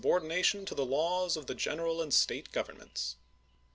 ordination to the laws of the General and State governments."